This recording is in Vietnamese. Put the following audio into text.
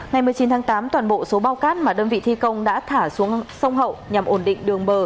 ngày một mươi chín tháng tám toàn bộ số bao cát mà đơn vị thi công đã thả xuống sông hậu nhằm ổn định đường bờ